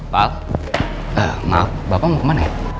pak maaf bapak mau ke mana ya